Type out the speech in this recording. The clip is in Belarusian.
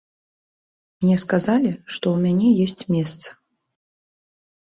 Мне сказалі, што ў мяне ёсць месца.